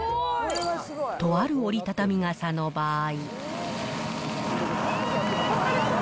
とある折りたたみ傘の場合。